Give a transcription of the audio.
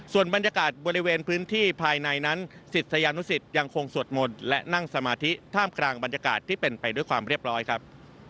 ส่วนบรรยากาศบริเวณพื้นที่ภายในนั้นศิษยานุสิตยังคงสวดมนต์และนั่งสมาธิท่ามกลางบรรยากาศที่เป็นไปด้วยความเรียบร้อยครับ